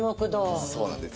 そうなんです。